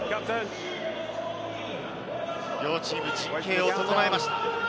両チーム、陣形を整えました。